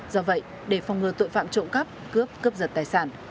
do vậy để phòng ngừa tội phạm trộm cắp cướp cướp giật tài sản